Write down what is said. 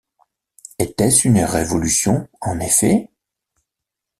Était-ce une révolution en effet?